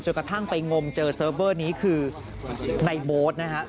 กระทั่งไปงมเจอเซิร์ฟเวอร์นี้คือในโบ๊ทนะฮะ